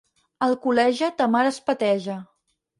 Alcoleja, ta mare es peteja.